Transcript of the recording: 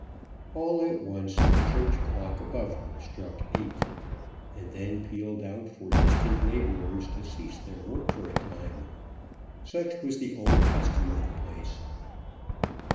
All at once the church clock above her struck eight, and then pealed out for distant labourers to cease their work for a time. Such was the old custom of the place.